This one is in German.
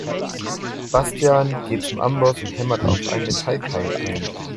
Bastian geht zum Amboss und hämmert auf ein Metallteil ein.